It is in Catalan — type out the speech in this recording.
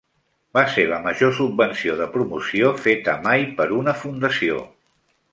Va ser la major subvenció de promoció feta mai per una fundació.